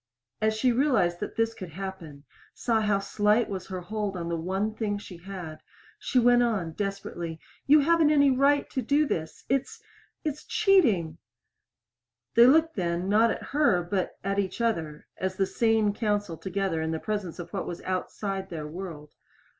As she realized that this could happen, saw how slight was her hold on the one thing she had, she went on, desperately, "You haven't any right to do this! It's it's cheating." They looked then, not at her, but at each other as the sane counsel together in the presence of what is outside their world.